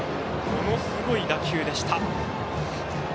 ものすごい打球でした。